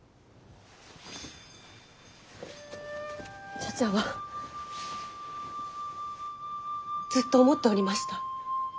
茶々はずっと思っておりました。